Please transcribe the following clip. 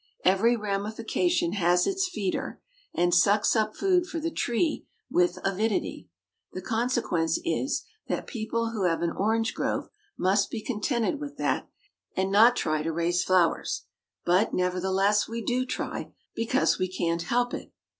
Every ramification has its feeder, and sucks up food for the tree with avidity. The consequence is, that people who have an orange grove must be contented with that, and not try to raise flowers; but, nevertheless, we do try, because we can't help it.